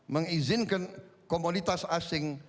mengizinkan komoditas asing